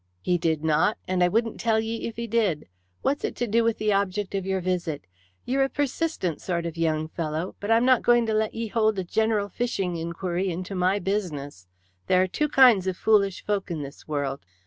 "He did not, and I wouldn't tell ye if he did. What's it to do with the object of your visit? Ye're a persistent sort of young fellow, but I'm not going to let ye hold a general fishing inquiry into my business. There are two kinds of foolish folk in this world.